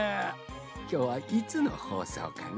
きょうはいつのほうそうかのう？